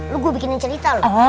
lo gua bikinin cerita loh